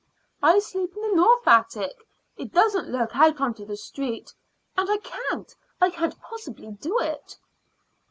"I sleep in the north attic. It doesn't look out on to the street; and I can't I can't possibly do it."